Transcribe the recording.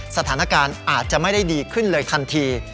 สถานการณ์อาจจะไม่ได้ดีขึ้นเลยทันที